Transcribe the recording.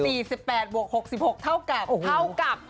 สี่สิบแปดบวกหกสิบหกเท่ากับ